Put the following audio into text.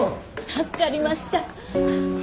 助かりました。